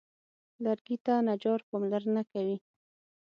لرګي ته نجار پاملرنه کوي.